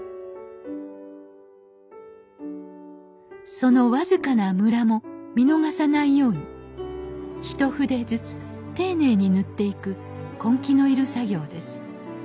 その僅かなむらも見逃さないように一筆ずつ丁寧に塗っていく根気の要る作業です